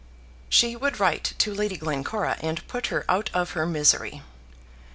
She would write to Lady Glencora and put her out of her misery.